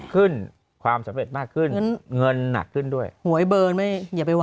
ความสำเร็จมากขึ้นเงินหนักขึ้นด้วยหวยเบิร์นไม่อย่าไปไ